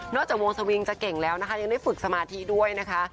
จากวงสวิงจะเก่งแล้วนะคะยังได้ฝึกสมาธิด้วยนะคะ